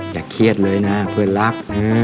เครียดเลยนะเพื่อนรัก